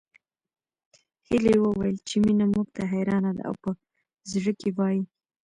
هيلې وويل چې مينه موږ ته حيرانه ده او په زړه کې وايي